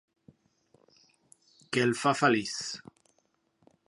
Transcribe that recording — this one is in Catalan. Que el fa feliç.